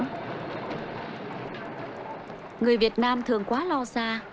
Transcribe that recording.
người việt nam thường quá lo xa